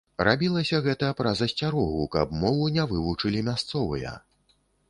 Рабілася гэта праз асцярогу, каб мову не вывучылі мясцовыя.